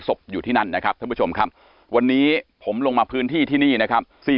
อยู่ที่นั่นนะครับท่านผู้ชมครับวันนี้ผมลงมาพื้นที่ที่นี่นะครับ